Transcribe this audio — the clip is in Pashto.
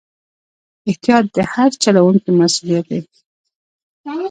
احتیاط د هر چلوونکي مسؤلیت دی.